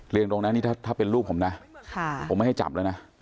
เรียงตรงนั้นถ้าเป็นรูปของผมนะผมไม่ให้จับแล้วนะ